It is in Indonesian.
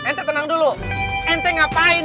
ente tenang dulu ente ngapain